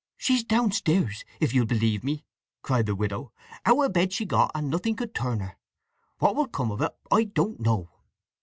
"She's downstairs, if you'll believe me!" cried the widow. "Out o' bed she got, and nothing could turn her. What will come o't I do not know!"